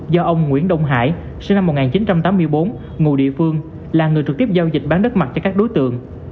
do ông nguyễn đông hải sinh năm một nghìn chín trăm tám mươi bốn ngụ địa phương là người trực tiếp giao dịch bán đất mặt cho các đối tượng